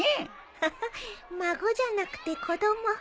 ハハッ孫じゃなくて子供かな。